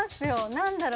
何だろ。